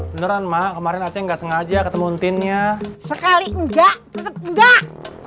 beneran ma kemarin aja nggak sengaja ketemu ntinnya sekali enggak enggak